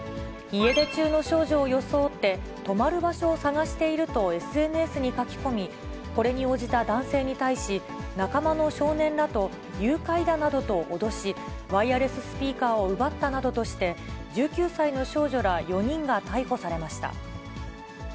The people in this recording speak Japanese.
家出中の少女を装って、泊まる場所を探しているとＳＮＳに書き込み、これに応じた男性に対し、仲間の少年らと、誘拐だなどと脅し、ワイヤレススピーカーを奪ったなどとして、１９歳の少女ら４人が逮捕されました。